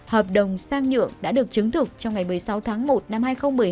hợp đồng sang nhượng đã được chứng thực trong ngày một mươi sáu tháng một năm hai nghìn một mươi hai